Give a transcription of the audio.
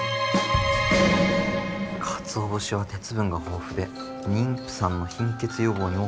かつお節は鉄分が豊富で妊婦さんの貧血予防にも効果的と。